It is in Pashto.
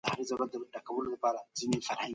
منصور